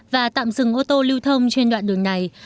và tạm dừng ô tô lưu thông trên đoạn đường này